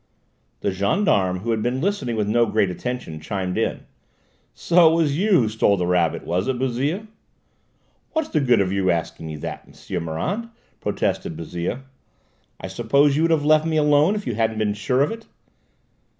The gendarme, who had been listening with no great attention, chimed in. "So it was you who stole the rabbit, was it, Bouzille?" "What's the good of your asking me that, M'sieu Morand?" protested Bouzille. "I suppose you would have left me alone if you hadn't been sure of it?"